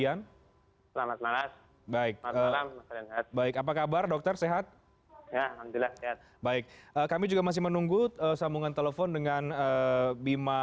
sama malam dokter sehat sehat baik kami juga masih menunggu sambungan telepon dengan bima